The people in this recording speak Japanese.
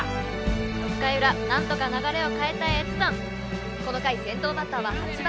６回裏何とか流れを変えたい越山この回先頭バッターは８番